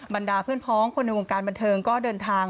บรรดาเพื่อนพ้องคนในวงการบันเทิงก็เดินทาง